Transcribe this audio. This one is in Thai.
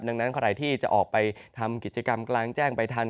ดังนั้นใครที่จะออกไปทำกิจกรรมกลางแจ้งไปทัน